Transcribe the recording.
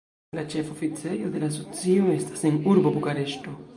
La ĉefa oficejo de la asocio estas en urbo Bukareŝto.